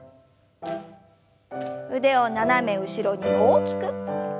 腕を斜め後ろに大きく。